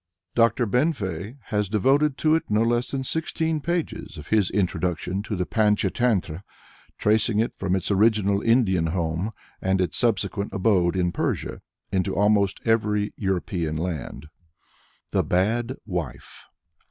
Dr. Benfey has devoted to it no less than sixteen pages of his introduction to the Panchatantra, tracing it from its original Indian home, and its subsequent abode in Persia, into almost every European land. THE BAD WIFE.